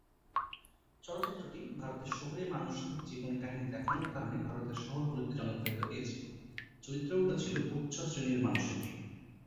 চলচ্চিত্রটি ভারতের শহুরে মানুষদের জীবন কাহিনী দেখানোর কারণে ভারতের শহরগুলোতে জনপ্রিয়তা পেয়েছিলো, চরিত্রগুলো ছিলো উচ্চ শ্রেণীর মানুষের।